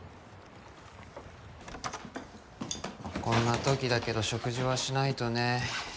こんな時だけど食事はしないとね。